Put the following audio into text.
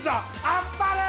あっぱれ！